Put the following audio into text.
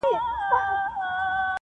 ویل چي آصل یم تر نورو موږکانو,